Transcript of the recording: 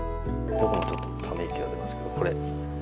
僕もちょっとため息が出ますけどこれ。